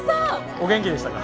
お元気でしたか？